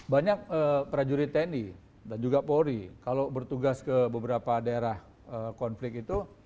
banyak prajurit tni dan juga polri kalau bertugas ke beberapa daerah konflik itu